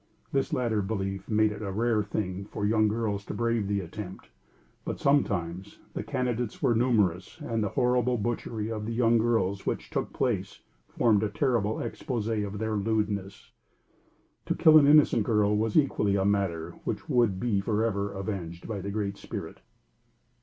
This latter belief made it a rare thing for young girls to brave the attempt; but, sometimes, the candidates were numerous and the horrible butchery of the young girls which took place formed a terrible exposé of their lewdness. To kill an innocent girl was equally a matter which would be forever avenged by the Great Spirit.